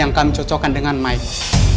yang kami cocokkan dengan mike